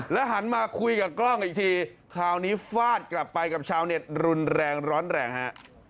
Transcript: หันมาคุยกับกล้องอีกทีคราวนี้ฟาดกลับไปกับชาวเน็ตรุนแรงร้อนแรงฮะ